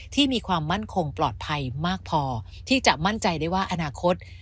ที่มีความมั่นคงปลอดภัยมากพอที่จะมั่นใจได้ว่าอนาคต